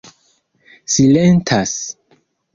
silentas